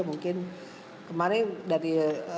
mungkin kemarin dari